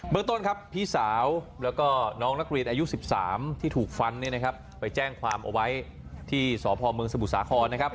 เมื่อต้นครับพี่สาวแล้วก็น้องลักษณ์อายุ๑๓ที่ถูกฟันไปแจ้งความเอาไว้ที่สพเมืองสมุทรสาข้อนนะครับ